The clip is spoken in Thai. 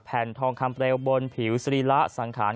แผ่นทองคำเร็วบนผิวสรีระสังขาร